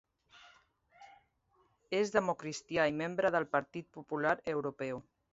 És democristià i membre del Partit Popular Europeu.